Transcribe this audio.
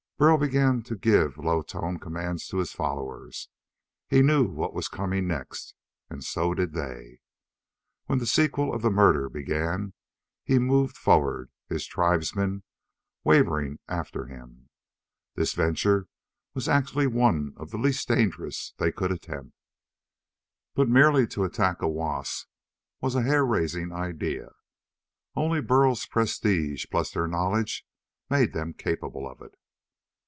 Burl began to give low toned commands to his followers. He knew what was coming next, and so did they. When the sequel of the murder began he moved forward, his tribesmen wavering after him. This venture was actually one of the least dangerous they could attempt, but merely to attack a wasp was a hair raising idea. Only Burl's prestige plus their knowledge made them capable of it.